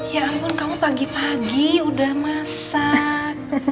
ya ampun kamu pagi pagi udah masak